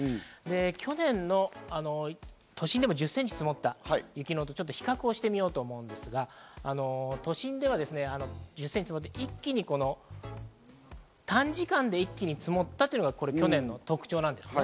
去年、都心でも１０センチ積もった雪と比較してみようと思うんですが、都心では１０センチまで短時間で一気に積もったというのが去年の特徴なんです。